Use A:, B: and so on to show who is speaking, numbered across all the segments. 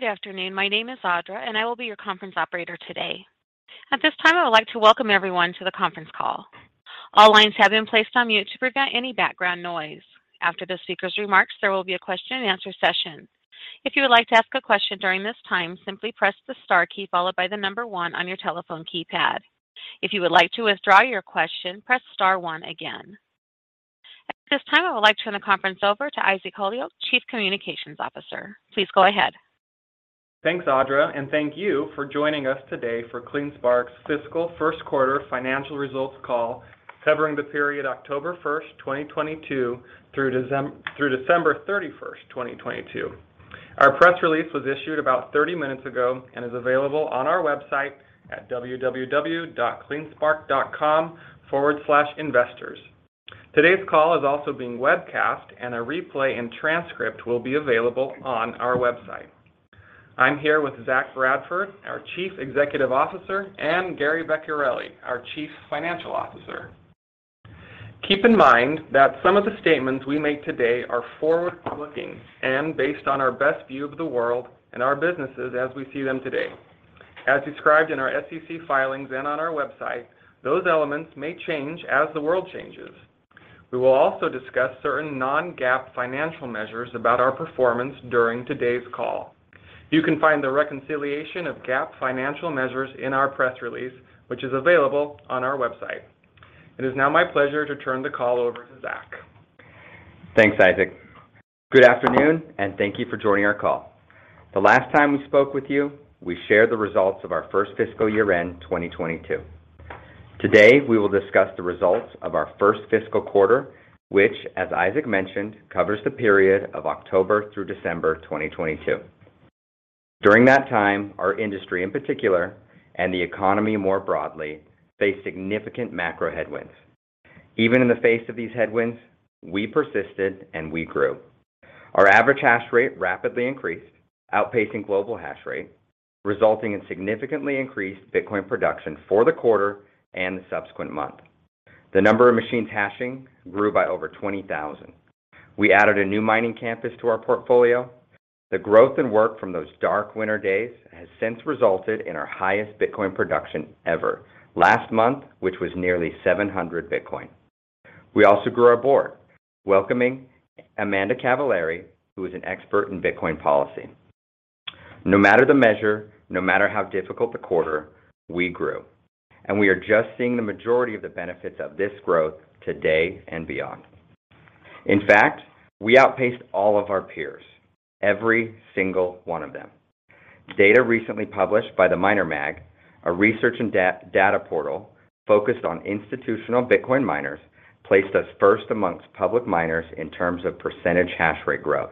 A: Good afternoon. My name is Audra, and I will be your conference operator today. At this time, I would like to welcome everyone to the conference call. All lines have been placed on mute to prevent any background noise. After the speaker's remarks, there will be a question and answer session. If you would like to ask a question during this time, simply press the star key followed by the number one on your telephone keypad. If you would like to withdraw your question, press star one again. At this time, I would like to turn the conference over to Isaac Holyoak, Chief Communications Officer. Please go ahead.
B: Thanks, Audra. Thank you for joining us today for CleanSpark's Fiscal 1st Quarter Financial Results Call covering the period October 1st, 2022 through December 31st, 2022. Our press release was issued about 30 minutes ago and is available on our website at www.cleanspark.com/investors. Today's call is also being webcast. A replay and transcript will be available on our website. I'm here with Zach Bradford, our Chief Executive Officer, and Gary Vecchiarelli, our Chief Financial Officer. Keep in mind that some of the statements we make today are forward-looking and based on our best view of the world and our businesses as we see them today. As described in our SEC filings and on our website, those elements may change as the world changes. We will also discuss certain non-GAAP financial measures about our performance during today's call. You can find the reconciliation of GAAP financial measures in our press release, which is available on our website. It is now my pleasure to turn the call over to Zach.
C: Thanks, Isaac. Thank you for joining our call. The last time we spoke with you, we shared the results of our first fiscal year-end, 2022. Today, we will discuss the results of our first fiscal quarter, which, as Isaac mentioned, covers the period of October through December 2022. During that time, our industry in particular, and the economy more broadly, faced significant macro headwinds. Even in the face of these headwinds, we persisted, and we grew. Our average hash rate rapidly increased, outpacing global hash rate, resulting in significantly increased Bitcoin production for the quarter and the subsequent month. The number of machines hashing grew by over 20,000. We added a new mining campus to our portfolio. The growth and work from those dark winter days has since resulted in our highest Bitcoin production ever last month, which was nearly 700 Bitcoin. We also grew our board, welcoming Amanda Cavaleri, who is an expert in Bitcoin policy. No matter the measure, no matter how difficult the quarter, we grew, and we are just seeing the majority of the benefits of this growth today and beyond. In fact, we outpaced all of our peers, every single one of them. Data recently published by the MinerMag, a research and data portal focused on institutional Bitcoin miners, placed us first amongst public miners in terms of percentage hash rate growth.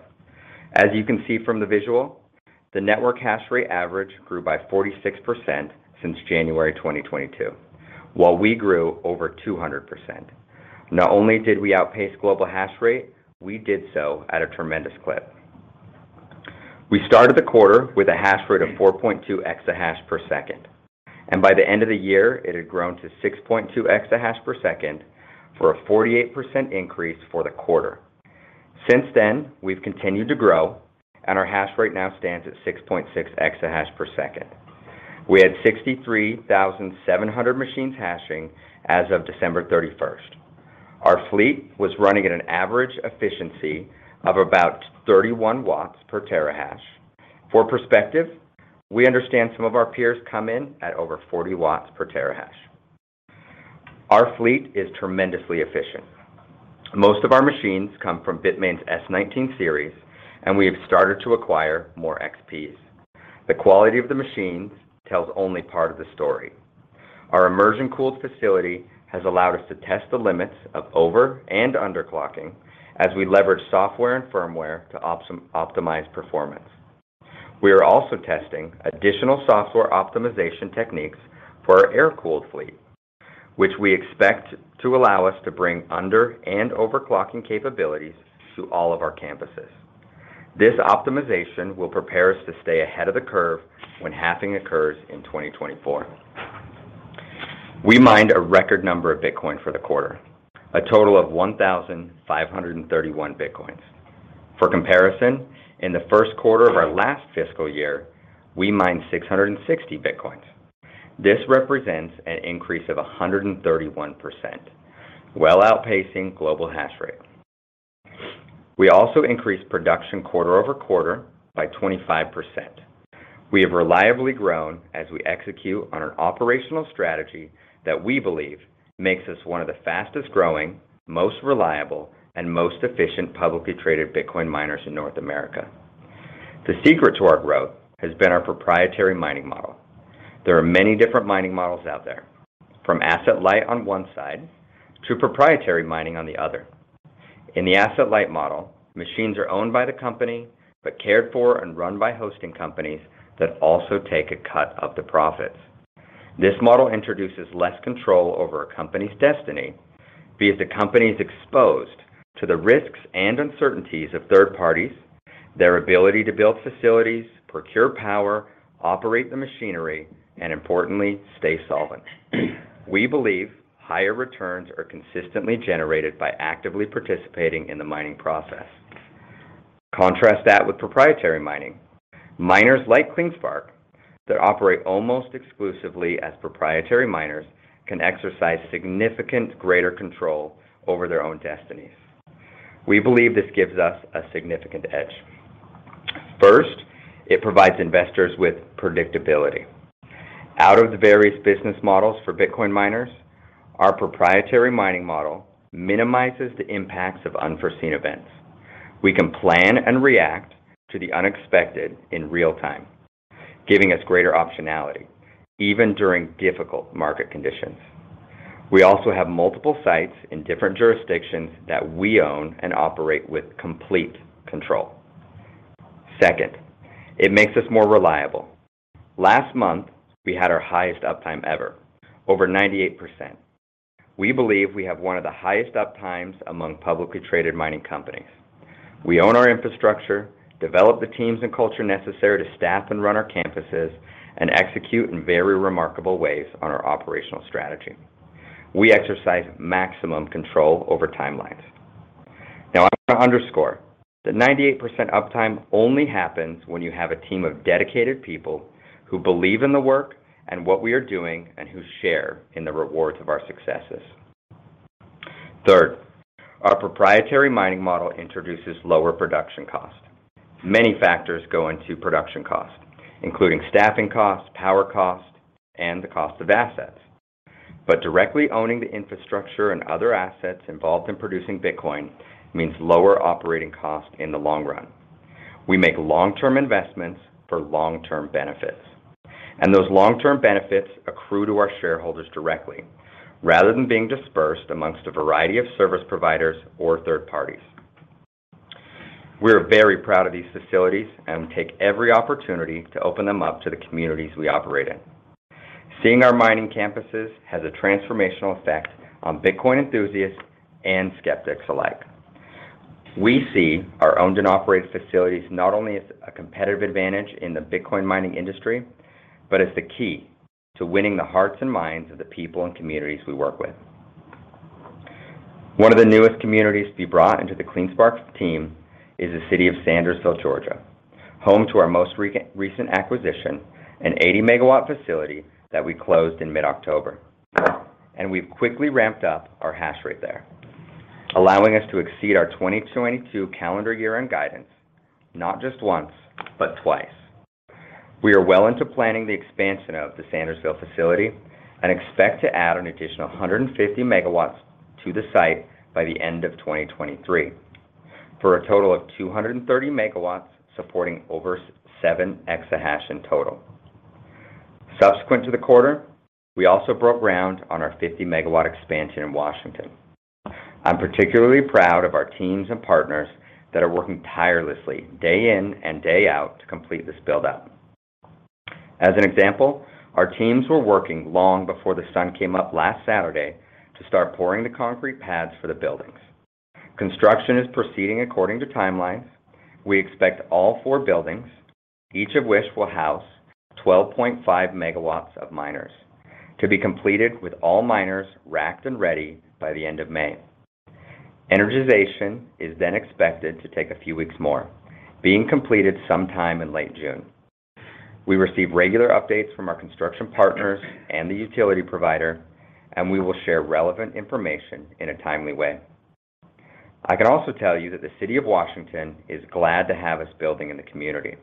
C: As you can see from the visual, the network hash rate average grew by 46% since January 2022, while we grew over 200%. Not only did we outpace global hash rate, we did so at a tremendous clip. We started the quarter with a hash rate of 4.2 exahash per second, and by the end of the year, it had grown to 6.2 exahash per second for a 48% increase for the quarter. Since then, we've continued to grow, and our hash rate now stands at 6.6 exahash per second. We had 63,700 machines hashing as of December thirty-first. Our fleet was running at an average efficiency of about 31 watts per terahash. For perspective, we understand some of our peers come in at over 40 watts per terahash. Our fleet is tremendously efficient. Most of our machines come from Bitmain's S19 series, and we have started to acquire more XPs. The quality of the machines tells only part of the story. Our immersion-cooled facility has allowed us to test the limits of overclocking and underclocking as we leverage software and firmware to optimize performance. We are also testing additional software optimization techniques for our air-cooled fleet, which we expect to allow us to bring underclocking and overclocking capabilities to all of our campuses. This optimization will prepare us to stay ahead of the curve when halving occurs in 2024. We mined a record number of Bitcoin for the quarter, a total of 1,531 bitcoins. For comparison, in the first quarter of our last fiscal year, we mined 660 bitcoins. This represents an increase of 131%, well outpacing global hash rate. We also increased production quarter-over-quarter by 25%. We have reliably grown as we execute on our operational strategy that we believe makes us one of the fastest-growing, most reliable, and most efficient publicly traded Bitcoin miners in North America. The secret to our growth has been our proprietary mining model. There are many different mining models out there, from asset light on one side to proprietary mining on the other. In the asset light model, machines are owned by the company, but cared for and run by hosting companies that also take a cut of the profits. This model introduces less control over a company's destiny, be it the company is exposed to the risks and uncertainties of third parties, their ability to build facilities, procure power, operate the machinery, and importantly, stay solvent. We believe higher returns are consistently generated by actively participating in the mining process. Contrast that with proprietary mining. Miners like CleanSpark that operate almost exclusively as proprietary miners can exercise significant greater control over their own destinies. We believe this gives us a significant edge. First, it provides investors with predictability. Out of the various business models for Bitcoin miners, our proprietary mining model minimizes the impacts of unforeseen events. We can plan and react to the unexpected in real-time, giving us greater optionality even during difficult market conditions. We also have multiple sites in different jurisdictions that we own and operate with complete control. Second, it makes us more reliable. Last month, we had our highest uptime ever, over 98%. We believe we have one of the highest uptimes among publicly traded mining companies. We own our infrastructure, develop the teams and culture necessary to staff and run our campuses, and execute in very remarkable ways on our operational strategy. We exercise maximum control over timelines. Now, I want to underscore that 98% uptime only happens when you have a team of dedicated people who believe in the work and what we are doing and who share in the rewards of our successes. Third, our proprietary mining model introduces lower production cost. Many factors go into production cost, including staffing costs, power costs, and the cost of assets. Directly owning the infrastructure and other assets involved in producing Bitcoin means lower operating costs in the long run. We make long-term investments for long-term benefits, and those long-term benefits accrue to our shareholders directly rather than being dispersed amongst a variety of service providers or third parties. We're very proud of these facilities and take every opportunity to open them up to the communities we operate in. Seeing our mining campuses has a transformational effect on Bitcoin enthusiasts and skeptics alike. We see our owned and operated facilities not only as a competitive advantage in the Bitcoin mining industry, but as the key to winning the hearts and minds of the people and communities we work with. One of the newest communities to be brought into the CleanSpark team is the city of Sandersville, Georgia, home to our most recent acquisition, an 80-megawatt facility that we closed in mid-October. We've quickly ramped up our hash rate there, allowing us to exceed our 2022 calendar year-end guidance, not just once, but twice. We are well into planning the expansion of the Sandersville facility. We expect to add an additional 150 megawatts to the site by the end of 2023 for a total of 230 megawatts supporting over 7 exahash in total. Subsequent to the quarter, we also broke ground on our 50-megawatt expansion in Washington. I'm particularly proud of our teams and partners that are working tirelessly day in and day out to complete this build-up. As an example, our teams were working long before the sun came up last Saturday to start pouring the concrete pads for the buildings. Construction is proceeding according to timelines. We expect all four buildings, each of which will house 12.5 megawatts of miners, to be completed with all miners racked and ready by the end of May. Energization is expected to take a few weeks more, being completed sometime in late June. We receive regular updates from our construction partners and the utility provider, and we will share relevant information in a timely way. I can also tell you that the City of Washington is glad to have us building in the community.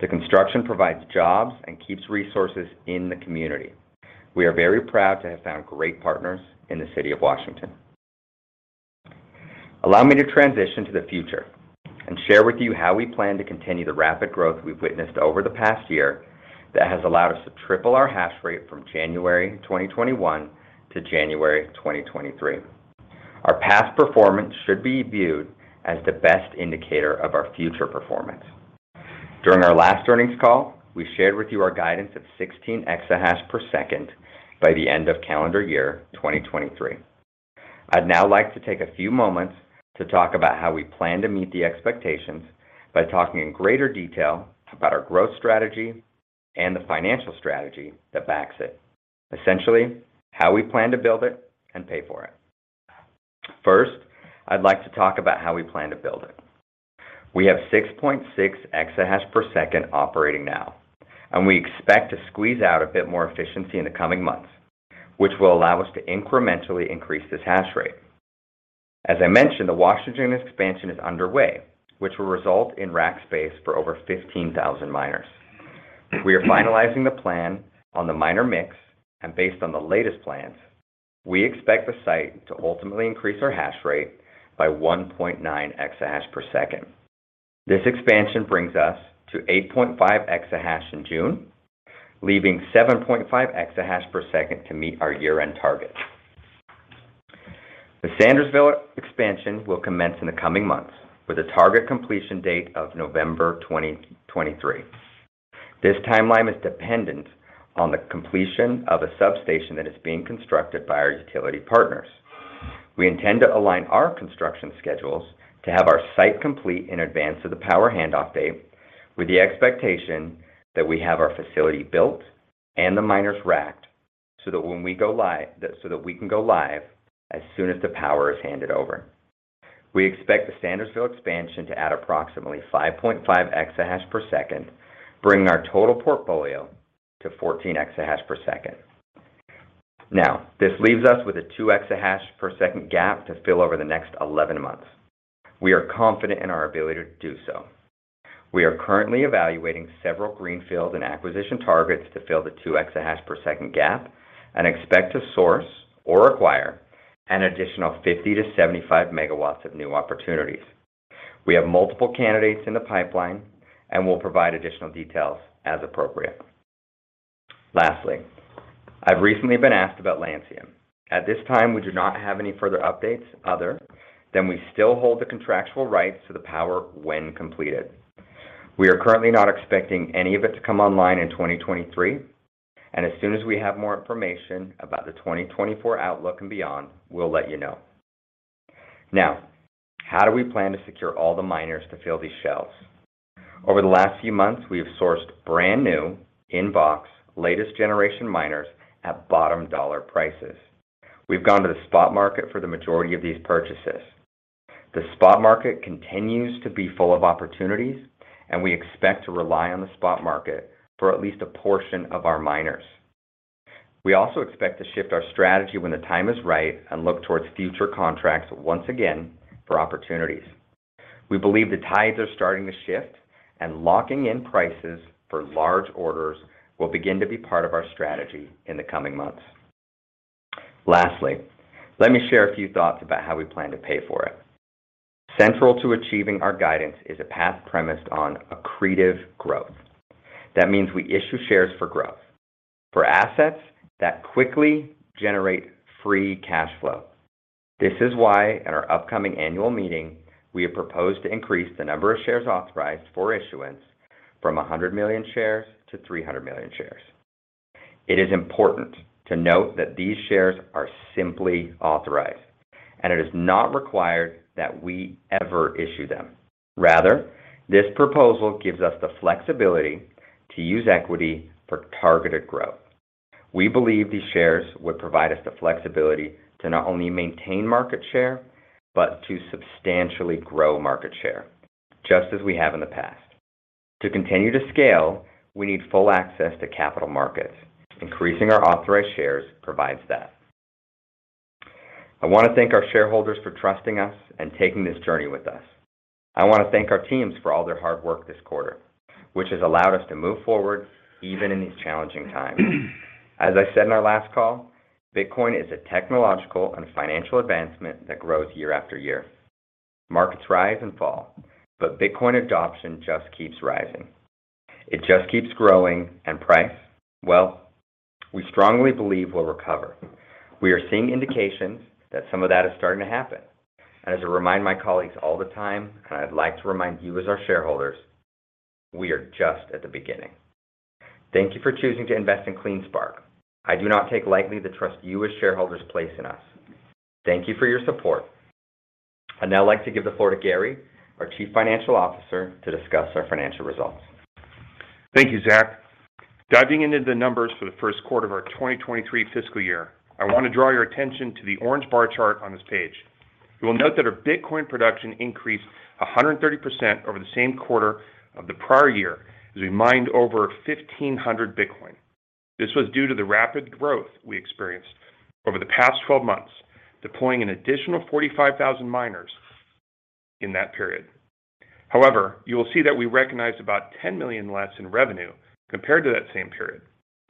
C: The construction provides jobs and keeps resources in the community. We are very proud to have found great partners in the City of Washington. Allow me to transition to the future and share with you how we plan to continue the rapid growth we've witnessed over the past year that has allowed us to triple our hash rate from January 2021 to January 2023. Our past performance should be viewed as the best indicator of our future performance. During our last earnings call, we shared with you our guidance of 16 exahash per second by the end of calendar year 2023. I'd now like to take a few moments to talk about how we plan to meet the expectations by talking in greater detail about our growth strategy and the financial strategy that backs it. Essentially, how we plan to build it and pay for it. First, I'd like to talk about how we plan to build it. We have 6.6 exahash per second operating now, and we expect to squeeze out a bit more efficiency in the coming months, which will allow us to incrementally increase this hash rate. As I mentioned, the Washington expansion is underway, which will result in rack space for over 15,000 miners. We are finalizing the plan on the miner mix, and based on the latest plans, we expect the site to ultimately increase our hash rate by 1.9 exahash per second. This expansion brings us to 8.5 exahash in June, leaving 7.5 exahash per second to meet our year-end target. The Sandersville expansion will commence in the coming months with a target completion date of November 2023. This timeline is dependent on the completion of a substation that is being constructed by our utility partners. We intend to align our construction schedules to have our site complete in advance of the power hand off date with the expectation that we have our facility built and the miners racked so that we can go live as soon as the power is handed over. We expect the Sandersville expansion to add approximately 5.5 exahash per second, bringing our total portfolio to 14 exahash per second. This leaves us with a 2 exahash per second gap to fill over the next 11 months. We are confident in our ability to do so. We are currently evaluating several greenfield and acquisition targets to fill the 2 exahash per second gap, and expect to source or acquire an additional 50 to 75 megawatts of new opportunities. We have multiple candidates in the pipeline and we'll provide additional details as appropriate. I've recently been asked about Lancium. At this time, we do not have any further updates other than we still hold the contractual rights to the power when completed. We are currently not expecting any of it to come online in 2023, and as soon as we have more information about the 2024 outlook and beyond, we'll let you know. How do we plan to secure all the miners to fill these shelves? Over the last few months, we have sourced brand new in-box latest generation miners at bottom dollar prices. We've gone to the spot market for the majority of these purchases. The spot market continues to be full of opportunities and we expect to rely on the spot market for at least a portion of our miners. We also expect to shift our strategy when the time is right and look towards future contracts once again for opportunities. We believe the tides are starting to shift and locking in prices for large orders will begin to be part of our strategy in the coming months. Lastly, let me share a few thoughts about how we plan to pay for it. Central to achieving our guidance is a path premised on accretive growth. That means we issue shares for growth, for assets that quickly generate free cash flow. This is why in our upcoming annual meeting, we have proposed to increase the number of shares authorized for issuance from 100 million shares to 300 million shares. It is important to note that these shares are simply authorized and it is not required that we ever issue them. Rather, this proposal gives us the flexibility to use equity for targeted growth. We believe these shares would provide us the flexibility to not only maintain market share, but to substantially grow market share, just as we have in the past. To continue to scale, we need full access to capital markets. Increasing our authorized shares provides that. I want to thank our shareholders for trusting us and taking this journey with us. I want to thank our teams for all their hard work this quarter, which has allowed us to move forward even in these challenging times. As I said in our last call, Bitcoin is a technological and financial advancement that grows year after year. Markets rise and fall, Bitcoin adoption just keeps rising. It just keeps growing. Price? Well, we strongly believe will recover. We are seeing indications that some of that is starting to happen. As I remind my colleagues all the time, and I'd like to remind you as our shareholders, we are just at the beginning. Thank you for choosing to invest in CleanSpark. I do not take lightly the trust you as shareholders place in us. Thank you for your support. I'd now like to give the floor to Gary, our Chief Financial Officer, to discuss our financial results.
D: Thank you, Zach. Diving into the numbers for the first quarter of our 2023 fiscal year, I want to draw your attention to the orange bar chart on this page. You will note that our Bitcoin production increased 130% over the same quarter of the prior year as we mined over 1,500 Bitcoin. This was due to the rapid growth we experienced over the past 12 months, deploying an additional 45,000 miners in that period. However, you will see that we recognized about $10 million less in revenue compared to that same period.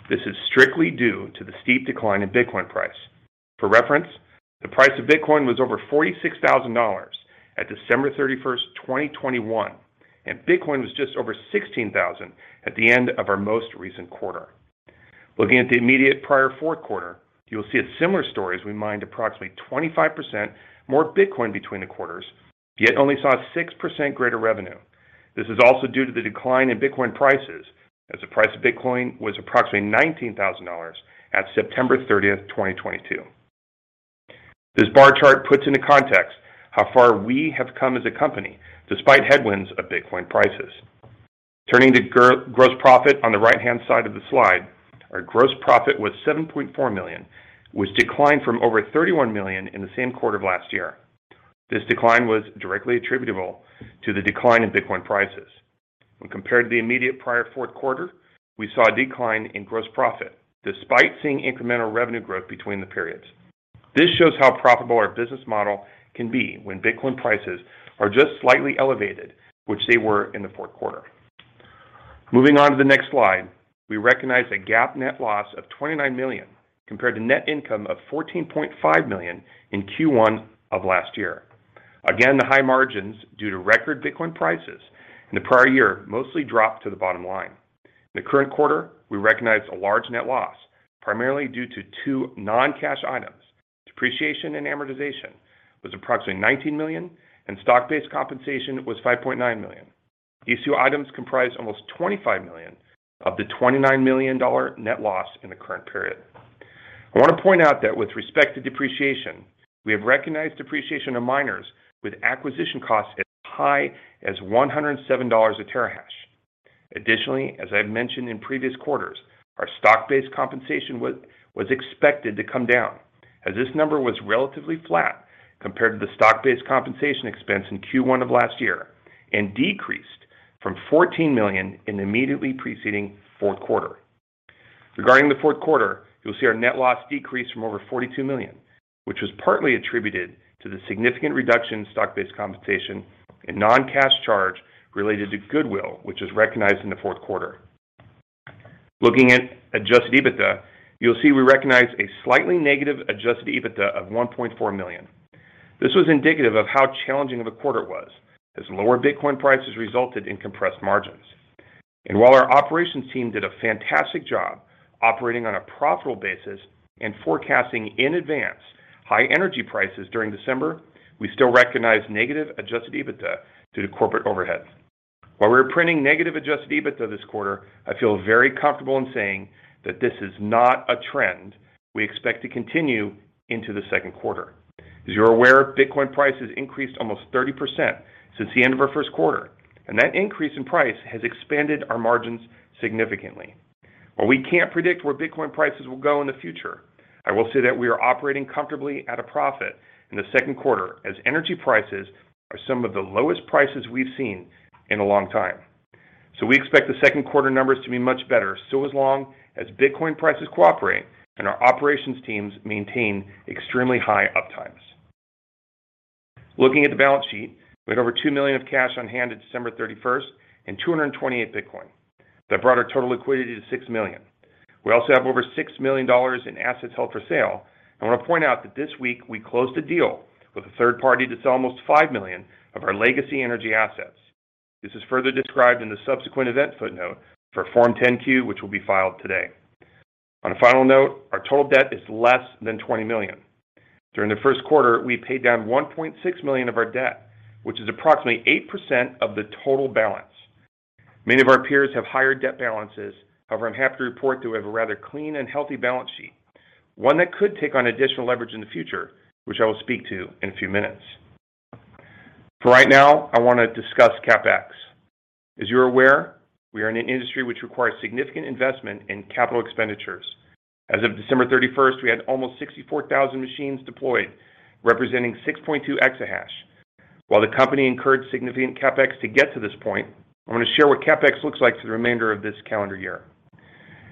D: This is strictly due to the steep decline in Bitcoin price. For reference, the price of Bitcoin was over $46,000 at December 31st, 2021, and Bitcoin was just over $16,000 at the end of our most recent quarter. Looking at the immediate prior fourth quarter, you will see a similar story as we mined approximately 25% more Bitcoin between the quarters, only saw a 6% greater revenue. This is also due to the decline in Bitcoin prices as the price of Bitcoin was approximately $19,000 at September 30, 2022. This bar chart puts into context how far we have come as a company despite headwinds of Bitcoin prices. Turning to gross profit on the right-hand side of the slide. Our gross profit was $7.4 million, which declined from over $31 million in the same quarter of last year. This decline was directly attributable to the decline in Bitcoin prices. When compared to the immediate prior fourth quarter, we saw a decline in gross profit despite seeing incremental revenue growth between the periods. This shows how profitable our business model can be when Bitcoin prices are just slightly elevated, which they were in the fourth quarter. Moving on to the next slide. We recognized a GAAP net loss of $29 million compared to net income of $14.5 million in Q1 of last year. Again, the high margins due to record Bitcoin prices in the prior year mostly dropped to the bottom line. In the current quarter, we recognized a large net loss, primarily due to two non-cash items. Depreciation and amortization was approximately $19 million and stock-based compensation was $5.9 million. These two items comprise almost $25 million of the $29 million net loss in the current period. I want to point out that with respect to depreciation, we have recognized depreciation of miners with acquisition costs as high as $107 a terahash. Additionally, as I've mentioned in previous quarters, our stock-based compensation was expected to come down as this number was relatively flat compared to the stock-based compensation expense in Q1 of last year and decreased from $14 million in the immediately preceding fourth quarter. Regarding the fourth quarter, you'll see our net loss decrease from over $42 million, which was partly attributed to the significant reduction in stock-based compensation and non-cash charge related to goodwill, which was recognized in the fourth quarter. Looking at adjusted EBITDA, you'll see we recognize a slightly negative adjusted EBITDA of $1.4 million. This was indicative of how challenging of a quarter it was as lower Bitcoin prices resulted in compressed margins. While our operations team did a fantastic job operating on a profitable basis and forecasting in advance high energy prices during December, we still recognize negative adjusted EBITDA due to corporate overheads. While we're printing negative adjusted EBITDA this quarter, I feel very comfortable in saying that this is not a trend we expect to continue into the second quarter. As you're aware, Bitcoin price has increased almost 30% since the end of our first quarter, and that increase in price has expanded our margins significantly. While we can't predict where Bitcoin prices will go in the future, I will say that we are operating comfortably at a profit in the second quarter as energy prices are some of the lowest prices we've seen in a long time. We expect the second quarter numbers to be much better, so as long as Bitcoin prices cooperate and our operations teams maintain extremely high uptimes. Looking at the balance sheet, we had over $2 million of cash on hand at December 31st and 228 Bitcoin. That brought our total liquidity to $6 million. We also have over $6 million in assets held for sale. I want to point out that this week we closed a deal with a third party to sell almost $5 million of our legacy energy assets. This is further described in the subsequent event footnote for Form 10-Q, which will be filed today. On a final note, our total debt is less than $20 million. During the first quarter, we paid down $1.6 million of our debt, which is approximately 8% of the total balance. Many of our peers have higher debt balances. However, I'm happy to report that we have a rather clean and healthy balance sheet, one that could take on additional leverage in the future, which I will speak to in a few minutes. Right now, I want to discuss CapEx. As you're aware, we are in an industry which requires significant investment in capital expenditures. As of December 31st, we had almost 64,000 machines deployed, representing 6.2 exahash. While the company encouraged significant CapEx to get to this point, I want to share what CapEx looks like for the remainder of this calendar year.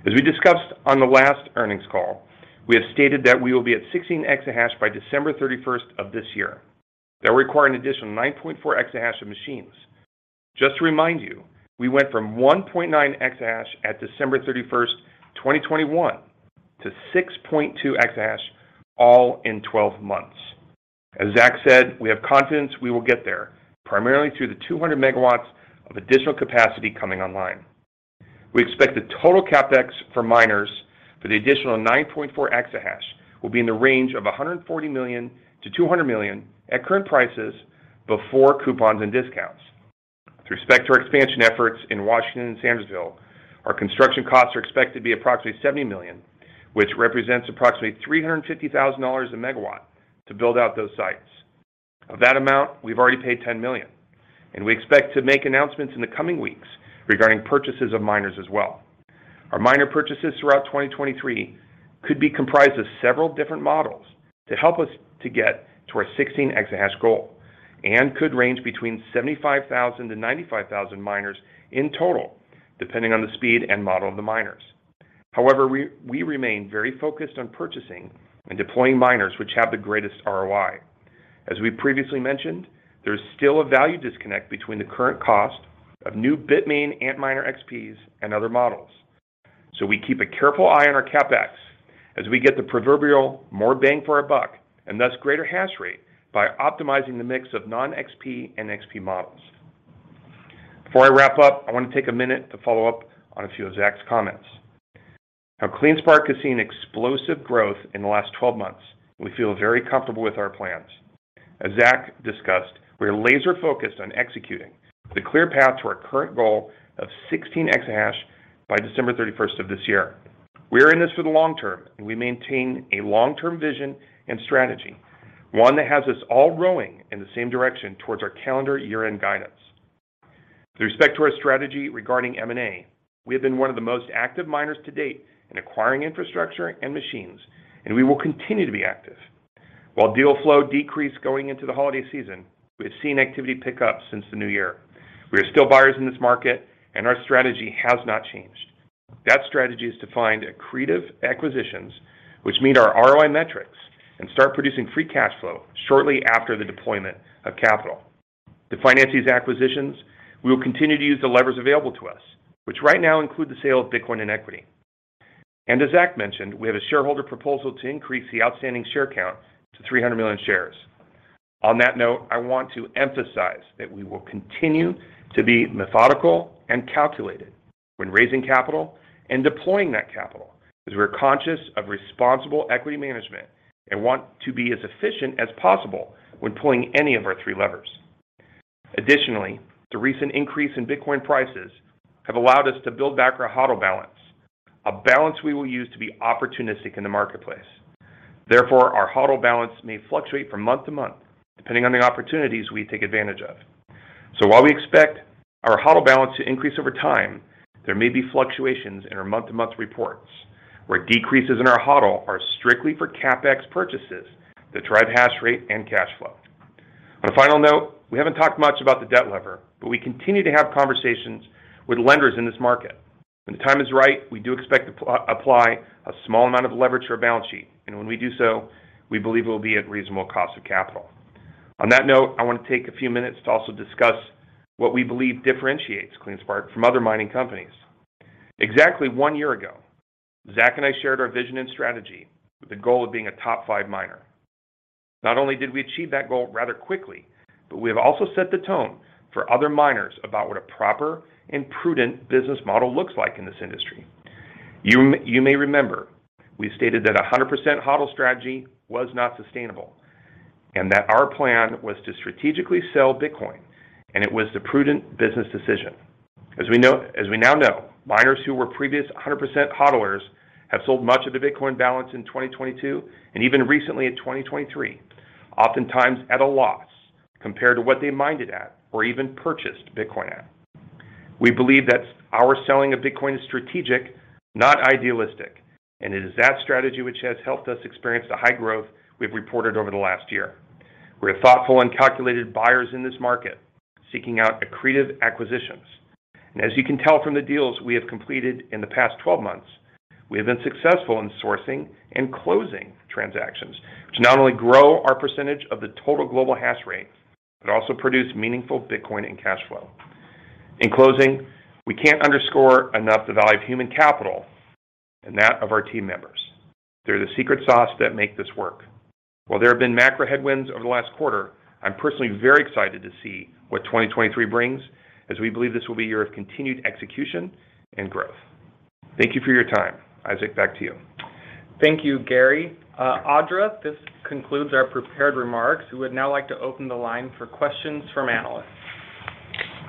D: As we discussed on the last earnings call, we have stated that we will be at 16 exahash by December 31st of this year. That require an additional 9.4 exahash of machines. Just to remind you, we went from 1.9 exahash at December 31st, 2021 to 6.2 exahash all in 12 months. As Zach said, we have confidence we will get there primarily through the 200 megawatts of additional capacity coming online. We expect the total CapEx for miners for the additional 9.4 exahash will be in the range of $140 million-$200 million at current prices before coupons and discounts. With respect to our expansion efforts in Washington and Sandersville, our construction costs are expected to be approximately $70 million, which represents approximately $350,000 a megawatt to build out those sites. Of that amount, we've already paid $10 million. We expect to make announcements in the coming weeks regarding purchases of miners as well. Our miner purchases throughout 2023 could be comprised of several different models to help us to get to our 16 exahash goal and could range between 75,000-95,000 miners in total, depending on the speed and model of the miners. We remain very focused on purchasing and deploying miners which have the greatest ROI. As we previously mentioned, there is still a value disconnect between the current cost of new Bitmain Antminer XPs and other models. We keep a careful eye on our CapEx as we get the proverbial more bang for our buck and thus greater hash rate by optimizing the mix of non-XP and XP models. Before I wrap up, I want to take a minute to follow up on a few of Zach's comments. CleanSpark has seen explosive growth in the last 12 months. We feel very comfortable with our plans. As Zach discussed, we are laser-focused on executing the clear path to our current goal of 16 exahash by December 31st of this year. We are in this for the long term, and we maintain a long-term vision and strategy, one that has us all rowing in the same direction towards our calendar year-end guidance. With respect to our strategy regarding M&A, we have been one of the most active miners to date in acquiring infrastructure and machines, and we will continue to be active. While deal flow decreased going into the holiday season, we have seen activity pick up since the new year. We are still buyers in this market, and our strategy has not changed. That strategy is to find accretive acquisitions which meet our ROI metrics and start producing free cash flow shortly after the deployment of capital. To finance these acquisitions, we will continue to use the levers available to us, which right now include the sale of Bitcoin and equity. As Zach mentioned, we have a shareholder proposal to increase the outstanding share count to 300 million shares. On that note, I want to emphasize that we will continue to be methodical and calculated when raising capital and deploying that capital, because we're conscious of responsible equity management and want to be as efficient as possible when pulling any of our three levers. Additionally, the recent increase in Bitcoin prices have allowed us to build back our HODL balance, a balance we will use to be opportunistic in the marketplace. Therefore, our HODL balance may fluctuate from month to month depending on the opportunities we take advantage of. While we expect our HODL balance to increase over time, there may be fluctuations in our month-to-month reports, where decreases in our HODL are strictly for CapEx purchases that drive hash rate and cash flow. On a final note, we haven't talked much about the debt lever, but we continue to have conversations with lenders in this market. When the time is right, we do expect to apply a small amount of leverage to our balance sheet, and when we do so, we believe it will be at reasonable cost of capital. On that note, I want to take a few minutes to also discuss what we believe differentiates CleanSpark from other mining companies. Exactly one year ago, Zach and I shared our vision and strategy with the goal of being a top five miner. Not only did we achieve that goal rather quickly, but we have also set the tone for other miners about what a proper and prudent business model looks like in this industry. You may remember we stated that 100% HODL strategy was not sustainable, and that our plan was to strategically sell Bitcoin, and it was the prudent business decision. As we now know, miners who were previous 100% HODLers have sold much of the Bitcoin balance in 2022 and even recently in 2023, oftentimes at a loss compared to what they mined it at or even purchased Bitcoin at. We believe that our selling of Bitcoin is strategic, not idealistic, and it is that strategy which has helped us experience the high growth we've reported over the last year. We're thoughtful and calculated buyers in this market seeking out accretive acquisitions. As you can tell from the deals we have completed in the past 12 months, we have been successful in sourcing and closing transactions to not only grow our percentage of the total global hash rate, but also produce meaningful Bitcoin and cash flow. In closing, we can't underscore enough the value of human capital and that of our team members. They're the secret sauce that make this work. While there have been macro headwinds over the last quarter, I'm personally very excited to see what 2023 brings as we believe this will be a year of continued execution and growth. Thank you for your time. Isaac, back to you.
B: Thank you, Gary. Audra, this concludes our prepared remarks. We would now like to open the line for questions from analysts.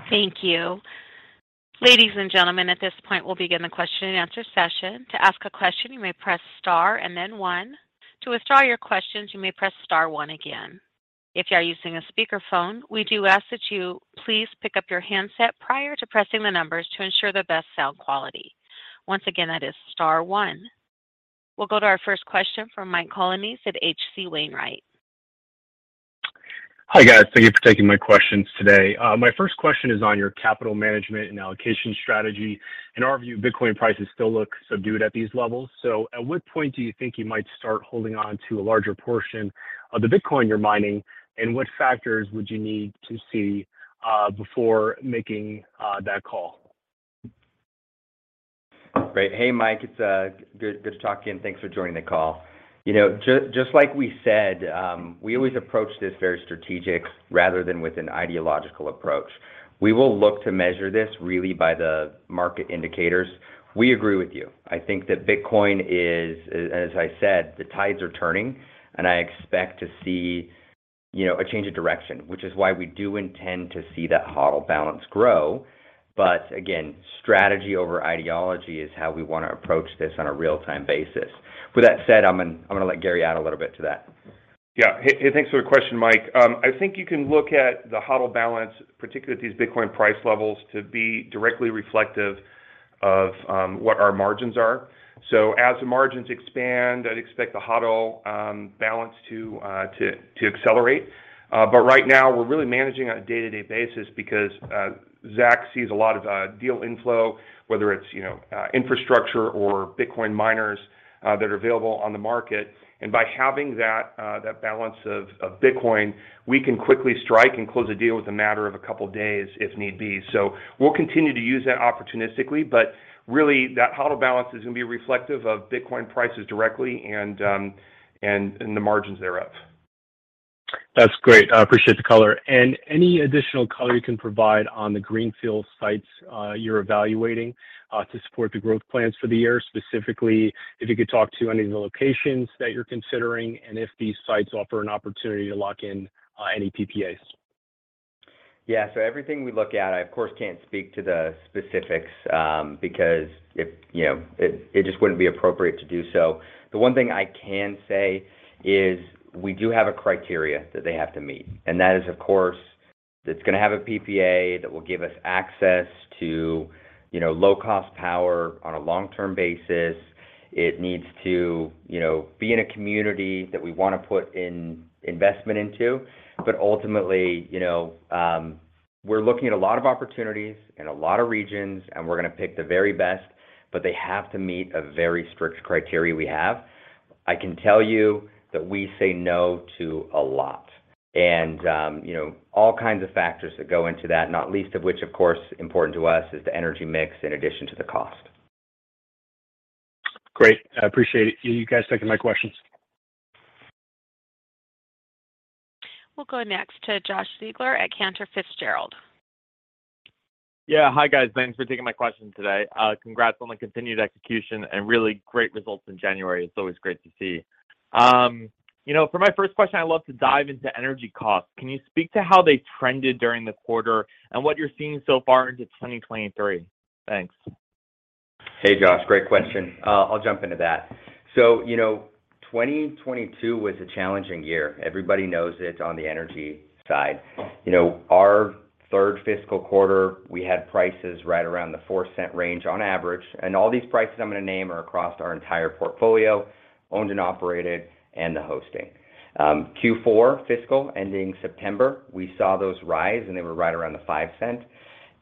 A: Thank you. Ladies and gentlemen, at this point, we'll begin the question and answer session. To ask a question, you may press star and then 1. To withdraw your questions, you may press star 1 again. If you are using a speakerphone, we do ask that you please pick up your handset prior to pressing the numbers to ensure the best sound quality. Once again, that is star 1. We'll go to our first question from Mike Colonnese at H.C. Wainwright.
E: Hi, guys. Thank you for taking my questions today. My first question is on your capital management and allocation strategy. In our view, Bitcoin prices still look subdued at these levels. At what point do you think you might start holding on to a larger portion of the Bitcoin you're mining, and what factors would you need to see, before making that call?
C: Great. Hey, Mike, it's good talking. Thanks for joining the call. You know, just like we said, we always approach this very strategic rather than with an ideological approach. We will look to measure this really by the market indicators. We agree with you. I think that Bitcoin is, as I said, the tides are turning, and I expect to see, you know, a change of direction, which is why we do intend to see that HODL balance grow. Again, strategy over ideology is how we want to approach this on a real-time basis. With that said, I'm going to let Gary add a little bit to that.
D: Hey, thanks for the question, Mike. I think you can look at the HODL balance, particularly at these Bitcoin price levels, to be directly reflective of what our margins are. As the margins expand, I'd expect the HODL balance to accelerate. Right now, we're really managing on a day-to-day basis because Zach sees a lot of deal inflow, whether it's, you know, infrastructure or Bitcoin miners that are available on the market. By having that balance of Bitcoin, we can quickly strike and close a deal with a matter of a couple of days if need be. We'll continue to use that opportunistically, but really, that HODL balance is going to be reflective of Bitcoin prices directly and the margins thereof.
E: That's great. I appreciate the color. Any additional color you can provide on the greenfield sites, you're evaluating to support the growth plans for the year. Specifically, if you could talk to any of the locations that you're considering and if these sites offer an opportunity to lock in any PPAs?
C: Everything we look at, I of course can't speak to the specifics, because if, you know, it just wouldn't be appropriate to do so. The one thing I can say is we do have a criteria that they have to meet, and that is, of course, it's going to have a PPA that will give us access to, you know, low-cost power on a long-term basis. It needs to, you know, be in a community that we want to put in investment into. Ultimately, you know, we're looking at a lot of opportunities in a lot of regions, and we're going to pick the very best, but they have to meet a very strict criteria we have. I can tell you that we say no to a lot. You know, all kinds of factors that go into that, not least of which, of course, important to us is the energy mix in addition to the cost.
E: Great. I appreciate you guys taking my questions.
A: We'll go next to Josh Siegler at Cantor Fitzgerald.
F: Yeah. Hi, guys. Thanks for taking my question today. Congrats on the continued execution and really great results in January. It's always great to see. You know, for my first question, I'd love to dive into energy costs. Can you speak to how they trended during the quarter and what you're seeing so far into 2023? Thanks.
C: Hey, Josh. Great question. I'll jump into that. You know, 2022 was a challenging year. Everybody knows it on the energy side. You know, our third fiscal quarter, we had prices right around the $0.04 range on average, and all these prices I'm gonna name are across our entire portfolio, owned and operated, and the hosting. Q4 fiscal ending September, we saw those rise, and they were right around the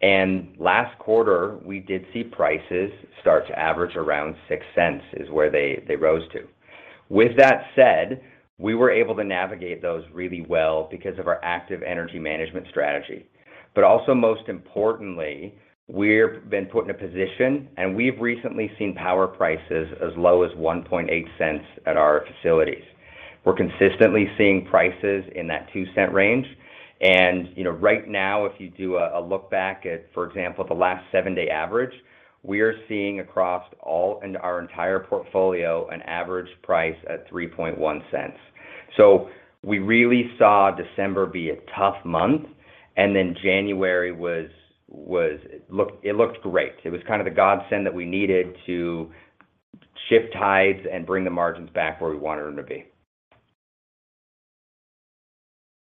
C: $0.05. Last quarter, we did see prices start to average around $0.06 is where they rose to. With that said, we were able to navigate those really well because of our active energy management strategy. Also most importantly, we've been put in a position, we've recently seen power prices as low as $0.018 at our facilities. We're consistently seeing prices in that $0.02 range. You know, right now, if you do a look back at, for example, the last seven-day average, we are seeing across all and our entire portfolio an average price at $0.031. We really saw December be a tough month. January was, look, it looked great. It was kind of the godsend that we needed to shift tides and bring the margins back where we wanted them to be.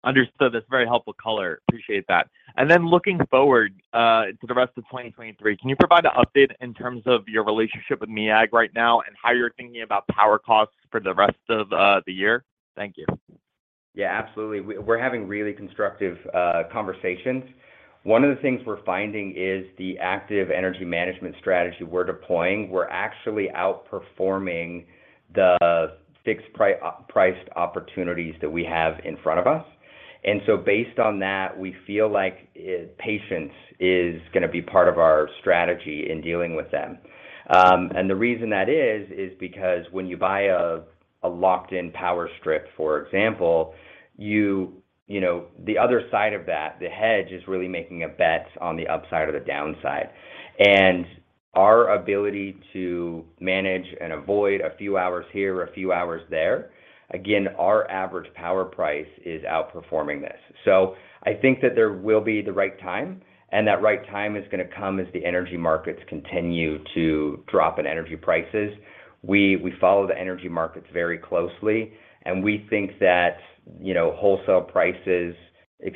F: Understood. That's very helpful color. Appreciate that. Looking forward, to the rest of 2023, can you provide an update in terms of your relationship with MEAG right now and how you're thinking about power costs for the rest of the year? Thank you.
C: Yeah, absolutely. We're having really constructive conversations. One of the things we're finding is the active energy management strategy we're deploying, we're actually outperforming the fixed priced opportunities that we have in front of us. Based on that, we feel like patience is gonna be part of our strategy in dealing with them. The reason that is because when you buy a locked-in power strip, for example, You know, the other side of that, the hedge, is really making a bet on the upside or the downside. Our ability to manage and avoid a few hours here or a few hours there, again, our average power price is outperforming this. I think that there will be the right time, and that right time is gonna come as the energy markets continue to drop in energy prices. We follow the energy markets very closely, and we think that, you know, wholesale prices,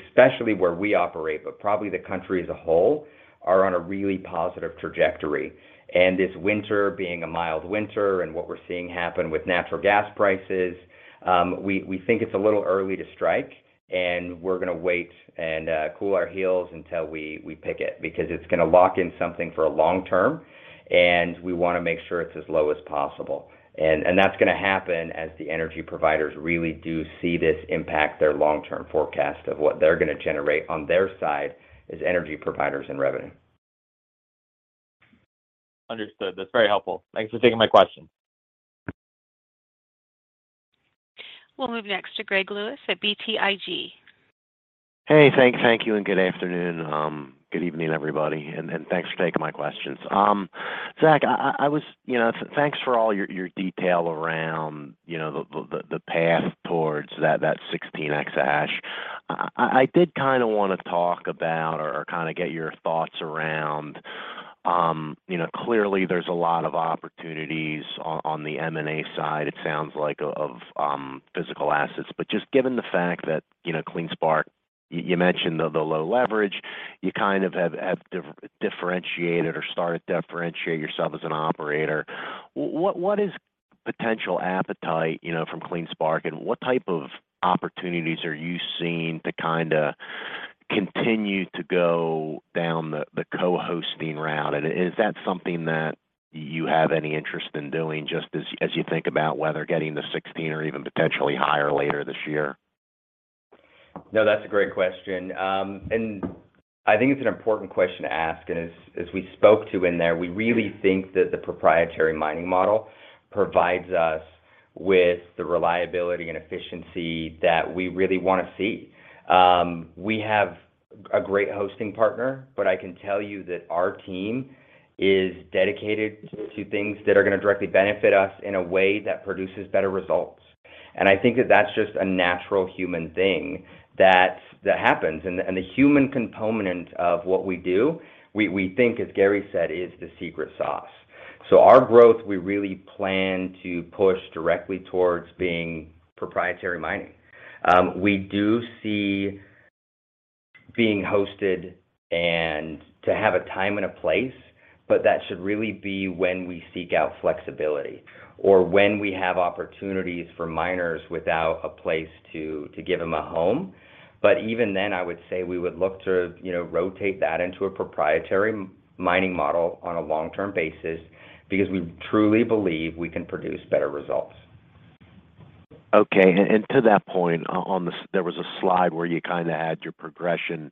C: especially where we operate, but probably the country as a whole, are on a really positive trajectory. This winter being a mild winter and what we're seeing happen with natural gas prices, we think it's a little early to strike, and we're gonna wait and cool our heels until we pick it because it's gonna lock in something for a long term, and we wanna make sure it's as low as possible. That's gonna happen as the energy providers really do see this impact their long-term forecast of what they're gonna generate on their side as energy providers and revenue.
F: Understood. That's very helpful. Thanks for taking my question.
A: We'll move next to Greg Lewis at BTIG.
G: Hey. Thank you and good afternoon, good evening, everybody, and thanks for taking my questions. Zach, I was... You know, thanks for all your detail around, you know, the path towards that 16 exahash. I did kinda wanna talk about or kinda get your thoughts around... You know, clearly there's a lot of opportunities on the M&A side, it sounds like, of physical assets. Just given the fact that, you know, CleanSpark, you mentioned the low leverage, you kind of have differentiated or started to differentiate yourself as an operator. What is potential appetite, you know, from CleanSpark, and what type of opportunities are you seeing to kinda continue to go down the co-hosting route? Is that something that you have any interest in doing just as you think about whether getting to 16 or even potentially higher later this year?
C: No, that's a great question. I think it's an important question to ask. As we spoke to in there, we really think that the proprietary mining model provides us with the reliability and efficiency that we really wanna see. We have a great hosting partner, but I can tell you that our team is dedicated to things that are gonna directly benefit us in a way that produces better results. I think that that's just a natural human thing that happens. The human component of what we do, we think, as Gary said, is the secret sauce. Our growth, we really plan to push directly towards being proprietary mining. We do see being hosted and to have a time and a place, but that should really be when we seek out flexibility or when we have opportunities for miners without a place to give them a home. Even then, I would say we would look to, you know, rotate that into a proprietary mining model on a long-term basis because we truly believe we can produce better results.
G: Okay. To that point, on the there was a slide where you kinda had your progression,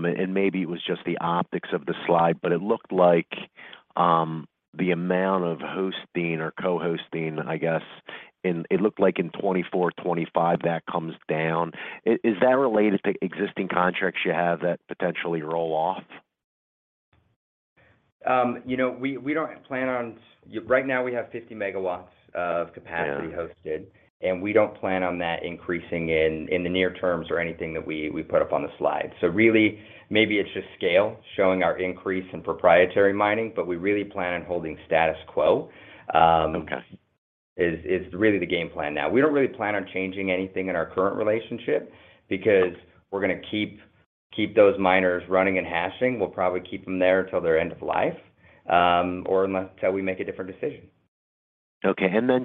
G: maybe it was just the optics of the slide, but it looked like the amount of hosting or co-hosting, I guess, it looked like in 2024, 2025 that comes down. Is that related to existing contracts you have that potentially roll off?
C: Right now we have 50 megawatts of capacity hosted, and we don't plan on that increasing in the near terms or anything that we put up on the slide. Really, maybe it's just scale showing our increase in proprietary mining, but we really plan on holding status quo.
G: Okay.
C: is really the game plan now. We don't really plan on changing anything in our current relationship because we're going to keep those miners running and hashing. We'll probably keep them there till their end of life, or unless till we make a different decision.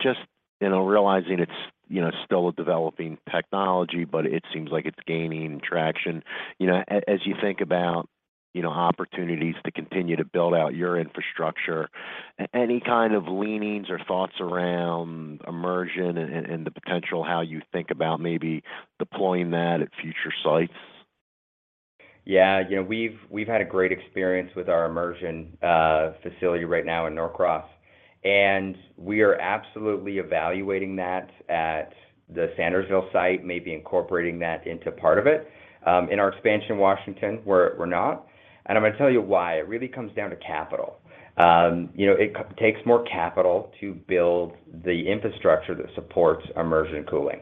G: Just, you know, realizing it's, you know, still a developing technology, but it seems like it's gaining traction. You know, as you think about, you know, opportunities to continue to build out your infrastructure, any kind of leanings or thoughts around immersion and the potential, how you think about maybe deploying that at future sites?
C: Yeah. You know, we've had a great experience with our immersion facility right now in Norcross. We are absolutely evaluating that at the Sandersville site, maybe incorporating that into part of it. In our expansion in Washington, we're not, and I'm going to tell you why. It really comes down to capital. You know, it takes more capital to build the infrastructure that supports immersion cooling.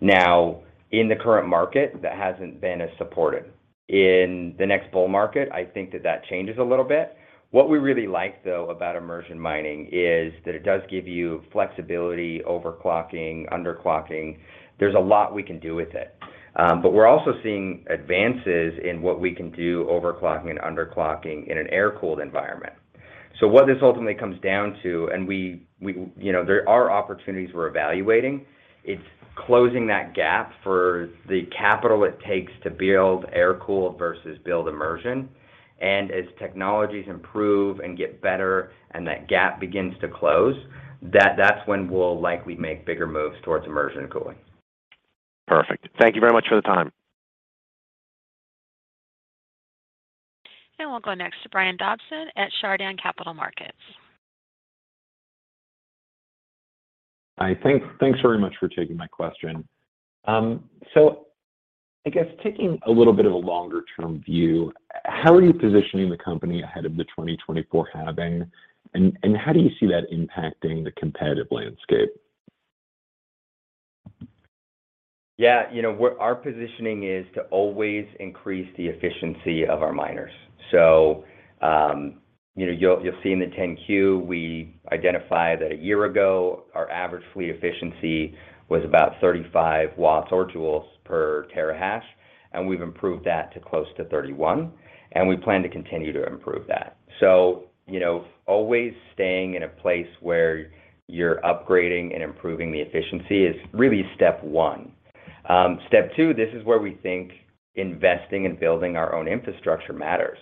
C: Now, in the current market, that hasn't been as supportive. In the next bull market, I think that that changes a little bit. What we really like though about immersion mining is that it does give you flexibility, overclocking, underclocking. There's a lot we can do with it. We're also seeing advances in what we can do overclocking and underclocking in an air-cooled environment. What this ultimately comes down to, and we, you know, there are opportunities we're evaluating. It's closing that gap for the capital it takes to build air-cooled versus build immersion. As technologies improve and get better and that gap begins to close, that's when we'll likely make bigger moves towards immersion cooling.
G: Perfect. Thank you very much for the time.
A: We'll go next to Brian Dobson at Chardan Capital Markets.
H: Hi. Thanks very much for taking my question. I guess taking a little bit of a longer-term view, how are you positioning the company ahead of the 2024 halving, and how do you see that impacting the competitive landscape?
C: Yeah. You know, what our positioning is to always increase the efficiency of our miners. you know, you'll see in the 10-Q, we identify that a year ago, our average fleet efficiency was about 35 watts or joules per terahash, and we've improved that to close to 31, and we plan to continue to improve that. you know, always staying in a place where you're upgrading and improving the efficiency is really step one. step two, this is where we think investing and building our own infrastructure matters.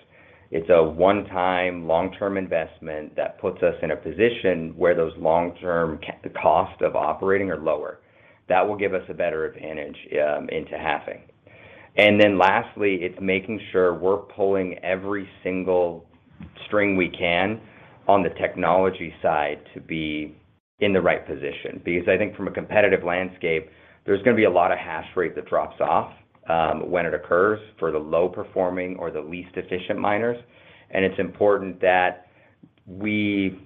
C: It's a one-time long-term investment that puts us in a position where those long-term cost of operating are lower. That will give us a better advantage into halving. lastly, it's making sure we're pulling every single string we can on the technology side to be in the right position. I think from a competitive landscape, there's going to be a lot of hash rate that drops off when it occurs for the low-performing or the least efficient miners. It's important that we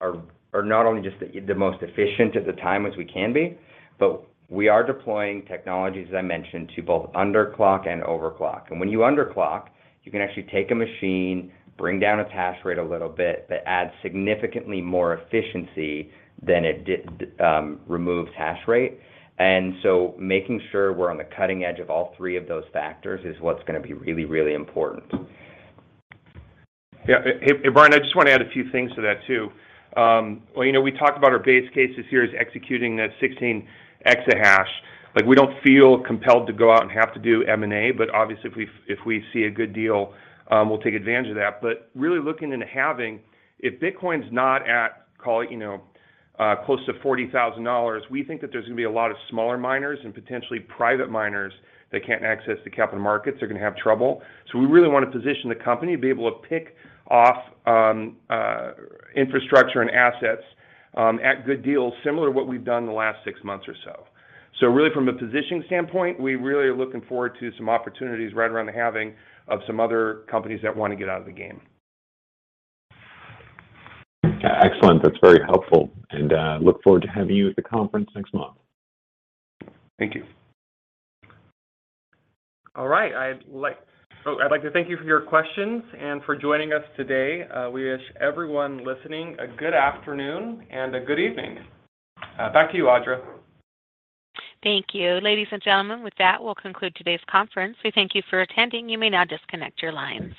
C: are not only just the most efficient at the time as we can be, but we are deploying technologies, as I mentioned, to both underclock and overclock. When you underclock, you can actually take a machine, bring down its hash rate a little bit, but add significantly more efficiency than it did, removes hash rate. Making sure we're on the cutting edge of all three of those factors is what's going to be really, really important.
D: Hey, Brian, I just want to add a few things to that too. Well, you know, we talked about our base cases here is executing that 16 exahash. Like, we don't feel compelled to go out and have to do M&A, but obviously if we, if we see a good deal, we'll take advantage of that. Really looking into having, if Bitcoin's not at call, you know, close to $40,000, we think that there's going to be a lot of smaller miners and potentially private miners that can't access the capital markets. They're going to have trouble. We really want to position the company to be able to pick off infrastructure and assets at good deals, similar to what we've done in the last 6 months or so. Really from a positioning standpoint, we really are looking forward to some opportunities right around the halving of some other companies that want to get out of the game.
H: Excellent. That's very helpful. Look forward to having you at the conference next month.
D: Thank you.
G: All right. I'd like to thank you for your questions and for joining us today. We wish everyone listening a good afternoon and a good evening. Back to you, Audra.
A: Thank you. Ladies and gentlemen, with that, we'll conclude today's conference. We thank you for attending. You may now disconnect your lines.